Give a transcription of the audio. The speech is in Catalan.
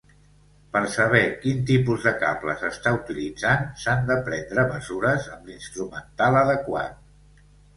Per saber quin tipus de cable s'està utilitzant s'han de prendre mesures amb l'instrumental adequat.